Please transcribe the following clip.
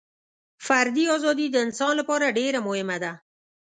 فردي ازادي د انسان لپاره ډېره مهمه ده.